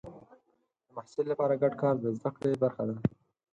د محصل لپاره ګډ کار د زده کړې برخه ده.